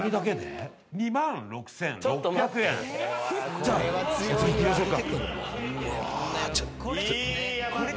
じゃあお札いきましょうか。